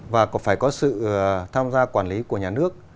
và phải có sự tham gia quản lý của nhà nước